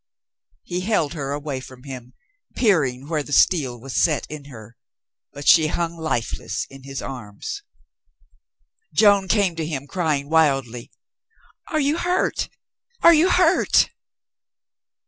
He held her away from him, peering where the steel was set in her, but she hung lifeless in his arms. Joan came to him, crying wildly, "Are you hurt? Are you hurt?"